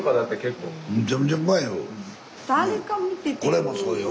これもそうよ。